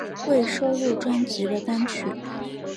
未收录专辑的单曲